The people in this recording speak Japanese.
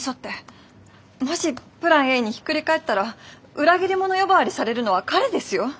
もしプランＡにひっくり返ったら裏切り者呼ばわりされるのは彼ですよ。